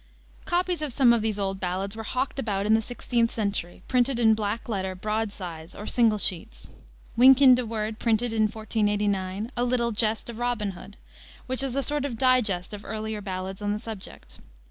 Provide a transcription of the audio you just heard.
Copies of some of these old ballads were hawked about in the 16th century, printed in black letter, "broad sides," or single sheets. Wynkyn de Worde printed, in 1489, A Lytell Geste of Robin Hood, which is a sort of digest of earlier ballads on the subject.